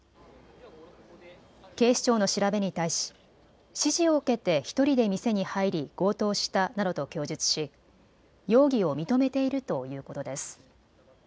警視庁の調べに対し指示を受けて１人で店に入り強盗したなどと供述し容疑を認めているということです。